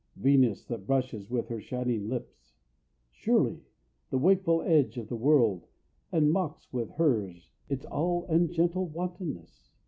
Venus, that brushes with her shining lips (Surely!) the wakeful edge of the world and mocks With hers its all ungentle wantonness?